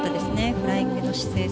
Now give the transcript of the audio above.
フライングの姿勢